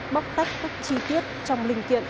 bóc tách các chi tiết trong linh kiện